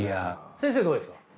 先生どうですか？